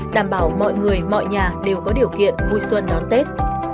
đảm bảo mọi người mọi nhà đều có điều kiện vui xuân đón tết